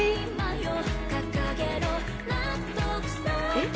えっ？